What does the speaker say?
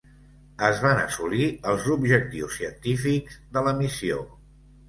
Es van assolir els objectius científics de la missió.